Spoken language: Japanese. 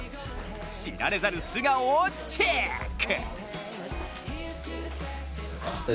知られざる素顔をチェック！